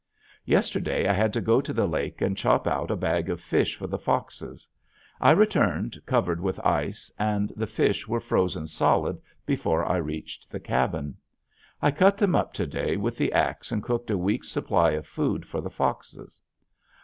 Yesterday I had to go to the lake and chop out a bag of fish for the foxes. I returned covered with ice and the fish were frozen solid before I reached the cabin. I cut them up to day with the axe and cooked a week's supply of food for the foxes.